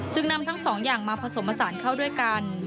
นำทั้งสองอย่างมาผสมผสานเข้าด้วยกัน